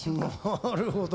なるほど。